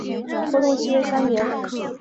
合同期为三年。